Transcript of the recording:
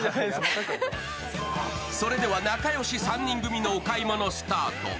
それでは仲良し３人組のお買い物スタート。